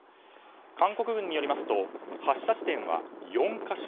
韓国軍によりますと発射地点は４か所。